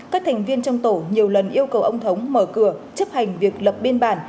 các thành viên trong tổ nhiều lần yêu cầu ông thống mở cửa chấp hành việc lập biên bản